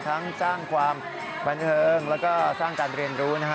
สร้างความบันเทิงแล้วก็สร้างการเรียนรู้นะฮะ